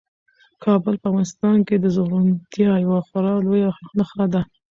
کابل په افغانستان کې د زرغونتیا یوه خورا لویه نښه ده.